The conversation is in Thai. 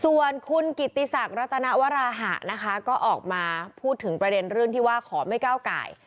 ส่วนคุณกิติศักดิ์รัตนวราหะนะคะก็ออกมาพูดถึงประเด็นเรื่องที่ว่าขอไม่ก้าวไก่